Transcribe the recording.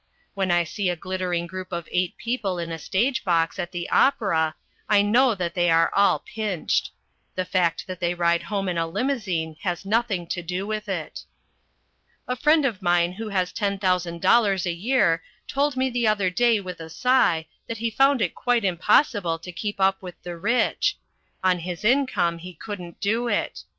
When I see a glittering group of eight people in a stage box at the opera, I know that they are all pinched. The fact that they ride home in a limousine has nothing to do with it. A friend of mine who has ten thousand dollars a year told me the other day with a sigh that he found it quite impossible to keep up with the rich. On his income he couldn't do it.